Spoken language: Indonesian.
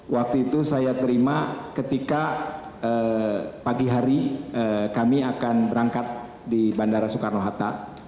waktu itu saya terima ketika pagi hari kami akan berangkat di bandara soekarno hatta